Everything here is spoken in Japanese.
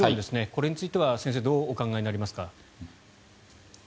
これについては先生どうお考えになりますか？